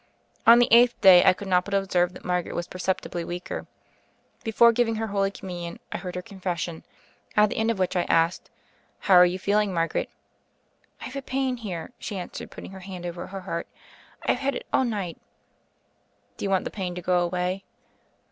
On the eighth day I could not but observe that Margaret was perceptibly weaker. Before giving her Holy Communion I heard her con fession, at the end of which I asked : "How are you feeling, Margaret?" "I've a pain here," she answered, putting her hand over her heart. "I've had it all night." "Do you want the pain to go away?"